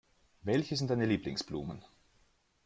Welche sind deine Lieblingsblumen?